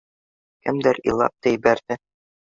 Кемдер илап та ебәрҙе.